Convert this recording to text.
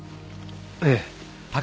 ええ。